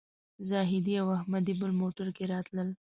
زاهدي او احمدي بل موټر کې راتلل.